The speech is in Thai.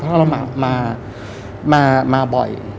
เพราะเรามาบ่อย